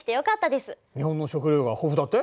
日本の食料が豊富だって？